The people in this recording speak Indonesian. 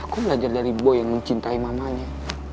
aku belajar dari boy yang mencintai mamanya